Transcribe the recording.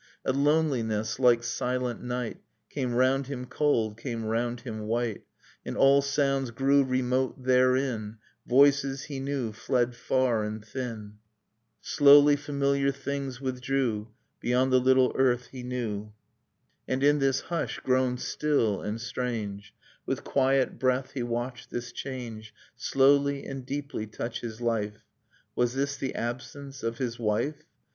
. A loneliness like silent night, Came round him cold, came round him white, And all sounds grew remote therein; Voices he knew fled far and thin; [III] Nocturne of Remembered Spring Slowly familiar things withdrew Beyond the little earth he knew; And in this hush, grown still and strange, With quiet breath he watched this change Slowly and deeply touch his life. Was this the absence of his wife?